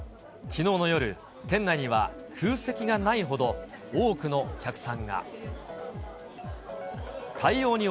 きのうの夜、店内には空席がないほど、多くのお客さんが。